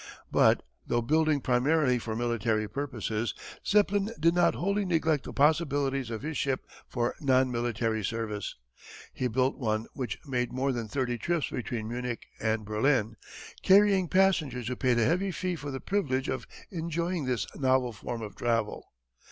But, though building primarily for military purposes, Zeppelin did not wholly neglect the possibilities of his ship for non military service. He built one which made more than thirty trips between Munich and Berlin, carrying passengers who paid a heavy fee for the privilege of enjoying this novel form of travel.